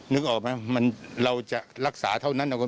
นึกออกไหมเราจะรักษาเท่านั้น